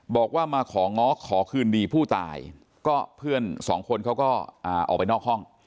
บอกว่ามาของ้อขอคืนดีผู้ตายก็เพื่อนสองคนเขาก็ออกไปนอกห้อง